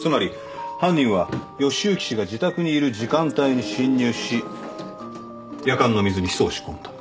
つまり犯人は義之氏が自宅にいる時間帯に侵入しやかんの水にヒ素を仕込んだ。